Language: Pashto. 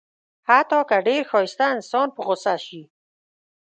حتی که ډېر ښایسته انسان په غوسه شي.